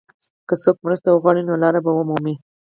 که څوک مرسته وغواړي، نو لار به ومومي.